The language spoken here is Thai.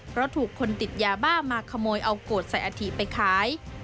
เพราะถูกคนติดยาบ้ามาขโมยเอาโกรธใส่อาถิไปขาย